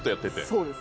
そうです。